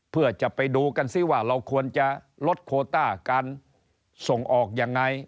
เพื่อจะไปดูกันซิว่าเราควรจะลดโคต้าการส่งออกยังไง